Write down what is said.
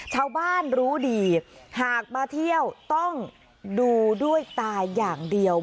ชาวบ้านรู้ดีหากมาเที่ยวต้องดูด้วยตาอย่างเดียว